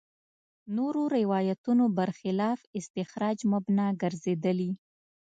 نورو روایتونو برخلاف استخراج مبنا ګرځېدلي.